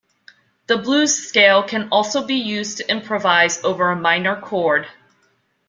The blues scale can also be used to improvise over a minor chord.